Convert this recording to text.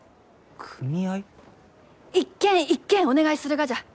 一軒一軒お願いするがじゃ。